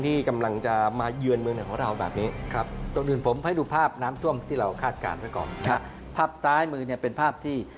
ที่กำลังจะมายื่นเมืองไขของเราแบบนี้